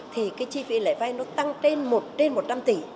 thì cái chi phí lãi vay nó tăng trên một trên một trăm linh tỷ